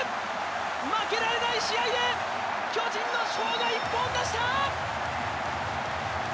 負けられない試合で巨人の主砲が１本出した！